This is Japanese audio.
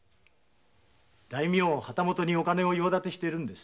大名などにお金の用立てしてるんです。